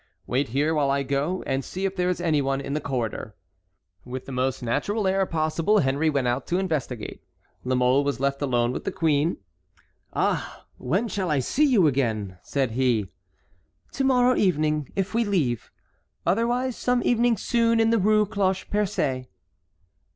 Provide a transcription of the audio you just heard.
Wait here while I go and see if there is any one in the corridor." With the most natural air possible Henry went out to investigate. La Mole was left alone with the queen. "Ah! when shall I see you again?" said he. "To morrow evening, if we leave. Otherwise some evening soon in the Rue Cloche Percée."